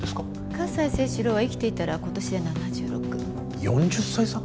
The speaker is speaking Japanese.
葛西征四郎は生きていたら今年で７６４０歳差！？